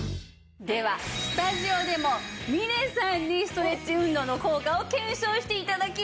ではスタジオでもみれさんにストレッチ運動の効果を検証して頂きます！